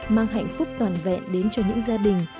mang hạnh phúc toàn vẹn đến cho những gia đình